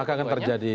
maka kan terjadi